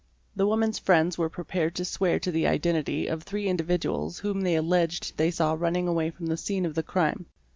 'The woman's friends were prepared to swear to the identity of three individuals whom they alleged they saw running away from the scene of the crime.